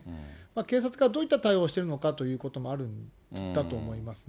警察がどういった対応をしているかということもあるんだと思いますね。